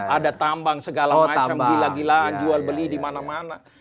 ada tambang segala macam gila gilaan jual beli di mana mana